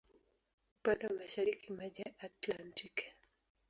Upande wa mashariki maji ya Atlantiki.